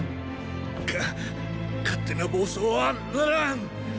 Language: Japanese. か勝手な暴走はならん。